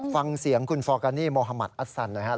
ฟังเสียงคุณฟอร์กันนี่โมฮามัทอัตซันนะครับ